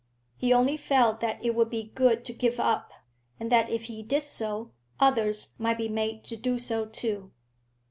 He only felt that it would be good to give up; and that if he did so, others might be made to do so too.